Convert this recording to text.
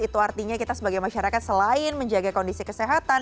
itu artinya kita sebagai masyarakat selain menjaga kondisi kesehatan